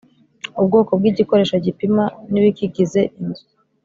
Ubwoko bw igikoresho gipima n ibikigize inzu